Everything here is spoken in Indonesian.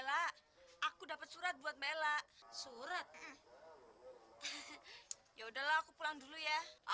aku dapat surat buat bella surat ya udahlah aku pulang dulu ya